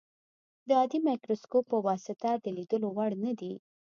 د عادي مایکروسکوپ په واسطه د لیدلو وړ نه دي.